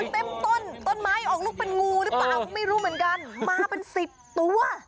ต้นต้นไม้ออกลูกเป็นงูหรือเปล่าก็ไม่รู้เหมือนกันมาเป็นสิบตัว